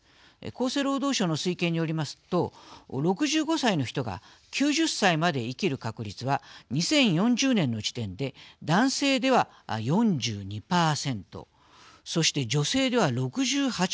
厚生労働省の推計によりますと６５歳の人が９０歳まで生きる確率は２０４０年の時点で男性では４２％そして女性では６８％。